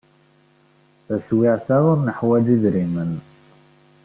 Taswiɛt-a, ur neḥwaj idrimen.